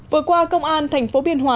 vừa qua công an tp biên hòa